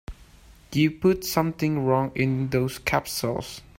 You put something wrong in those capsules.